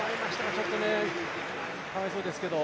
ちょっとかわいそうですけど。